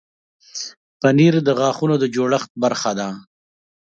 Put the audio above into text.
پنېر د غاښونو د جوړښت برخه ده.